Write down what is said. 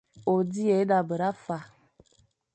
O dighé da bera fa.